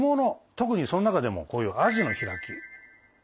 特にその中でもこういうアジの開き。